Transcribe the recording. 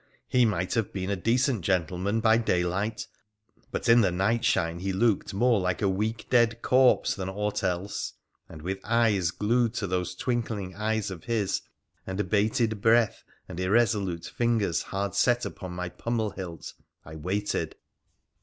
he might have been a decent gentleman by daylight, but in the nightshine he looked more like a week dead corpse than aught else, and, with eyes glued to those twinkling eyes of his, and bated breath and irresolute fingers hard set upon my pummel hilt, I waited.